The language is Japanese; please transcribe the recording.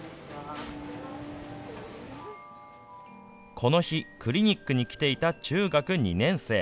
この日、クリニックに来ていた中学２年生。